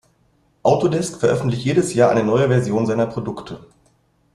Autodesk veröffentlicht jedes Jahr eine neue Version seiner Produkte.